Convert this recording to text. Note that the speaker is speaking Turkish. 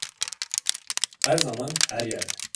Her zaman, her yerde.